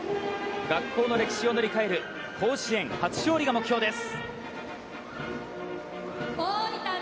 学校の歴史を塗りかえる甲子園初勝利が目標です。